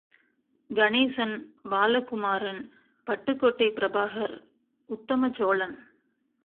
Ganesan, Balakumaran, Pattukkottai Prabhakar.... Uthamacholan.